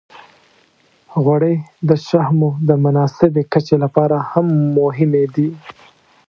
غوړې د شحمو د مناسبې کچې لپاره هم مهمې دي.